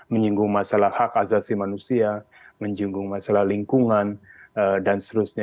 menyinggung masalah hak asasi manusia menyinggung masalah lingkungan dan seterusnya